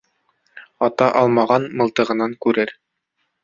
Ата алмаған мылтығынан күрер.